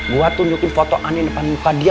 gue tunjukin foto ani depan muka dia